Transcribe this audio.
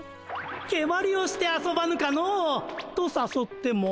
けまりをして遊ばぬかのう。とさそっても。